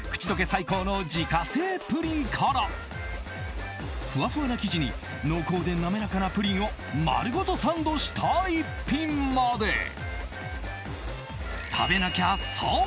最高の自家製プリンからふわふわな生地に濃厚で滑らかなプリンを丸ごとサンドした一品まで食べなきゃ損！